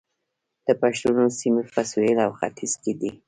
د پښتنو سیمې په سویل او ختیځ کې دي